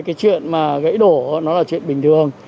cái chuyện mà gãy đổ nó là chuyện bình thường